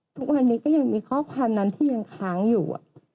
ทุกวันนี้ก็ยังมีข้อความนั้นที่ยังค้างอยู่